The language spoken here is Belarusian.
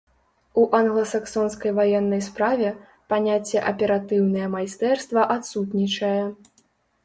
У англасаксонскай ваеннай справе паняцце аператыўнае майстэрства адсутнічае.